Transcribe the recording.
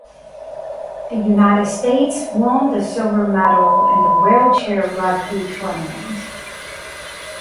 The United States won the silver medal in the wheelchair rugby tournament.